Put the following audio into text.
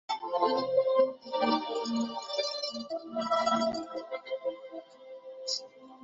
此修订排除了往后行政长官选举中任何人士自动当选的可能性。